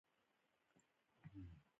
هیله د ځواک، قدرت او بریا مور او بنسټ ده.